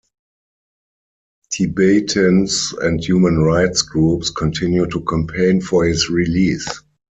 Tibetans and human rights groups continue to campaign for his release.